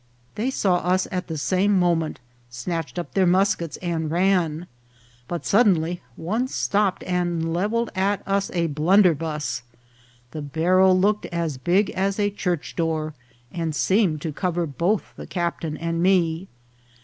They saw us at the same moment, snatched up their muskets, and ran ; but suddenly one stopped and levelled at us a blunderbuss. The barrel looked as big as a church door, and seemed to cover both the captain and me.